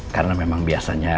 karena memang biasanya